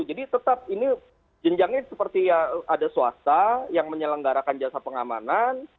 jadi tetap ini jenjangnya seperti ya ada swasta yang menyelenggarakan jasa pengamanan